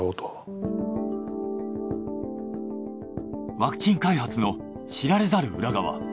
ワクチン開発の知られざる裏側。